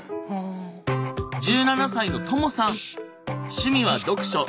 趣味は読書。